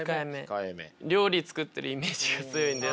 料理作ってるイメージが強いんで。